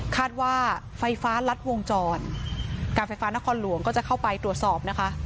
คาดว่าไฟฟ้ารัดวงจรการไฟฟ้านครหลวงก็จะเข้าไปตรวจสอบนะคะ